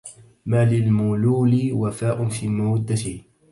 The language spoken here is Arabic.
ما للملول وفاء في مودته